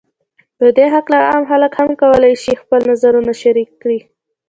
په دې هکله عام خلک هم کولای شي خپل نظرونو شریک کړي